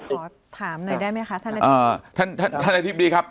ขอถามหน่อยได้ไหมคะท่านท่านอธิบดีครับ